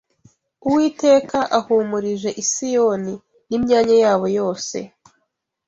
Uwiteka ahumurije i Siyoni, n’imyanya yabo yose